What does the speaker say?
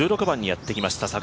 １６番にやってきました